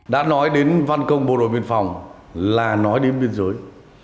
đã nói đến văn công bộ đội biên phòng là nói đến biên giới